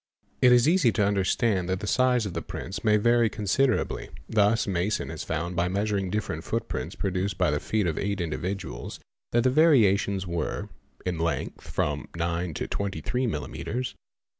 It is easy to understand that the size of the prints may vary consid erably. Thus Masson has found by measuring different footprints produced by the feet of eight individuals that the variations were— In length from cs .. 9 to 23 Millimetres.